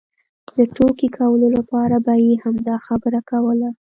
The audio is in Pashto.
د ټوکې کولو لپاره به یې همدا خبره کوله.